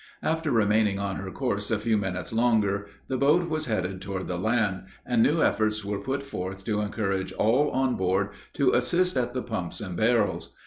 After remaining on her course a few minutes longer, the boat was headed toward the land, and new efforts were put forth to encourage all on board to assist at the pumps and barrels.